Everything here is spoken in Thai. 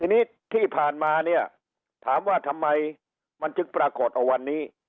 ทีนี้ที่ผ่านมาเนี่ยถามว่าทำไมมันจึงปรากฏเอาวันนี้